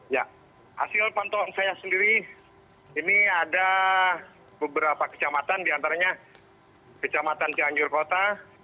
ya hasil pantauan saya sendiri ini ada beberapa kecamatan di antaranya kecamatan cianjur kota